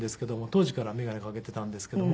当時から眼鏡かけていたんですけども。